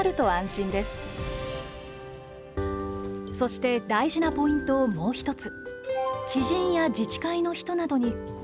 そして、大事なポイントをもう１つ。